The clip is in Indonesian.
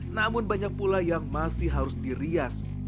namun banyak pula yang masih harus dirias